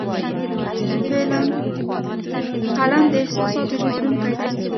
قلم د احساساتو ژباړونکی دی